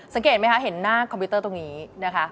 สังเกตไหมคะเห็นหน้าคอมพิวเตอร์ตรงนี้นะคะ